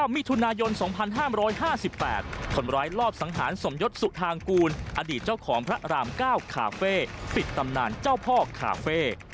มิถุนายน๒๕๕๘คนร้ายรอบสังหารสมยศสุธางกูลอดีตเจ้าของพระราม๙คาเฟ่ปิดตำนานเจ้าพ่อคาเฟ่